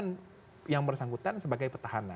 yang menguntungkan yang bersangkutan sebagai petahana